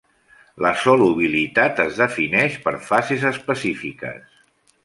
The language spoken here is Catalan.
La solubilitat es defineix per fases específiques.